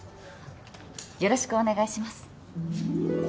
よろしくお願いします